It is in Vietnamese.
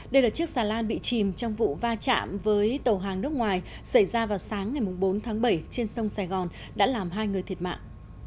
đây là chiếc xà lan bị chìm trong vụ va chạm với tàu hàng nước ngoài xảy ra vào sáng ngày bốn tháng bảy trên sông sài gòn đã làm hai người thiệt mạng